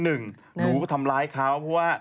หนูก็ทำร้ายเขาเพราะว่า